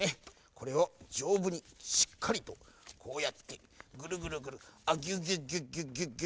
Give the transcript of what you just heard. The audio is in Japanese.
これをじょうぶにしっかりとこうやってぐるぐるぐるギュッギュッギュッっと。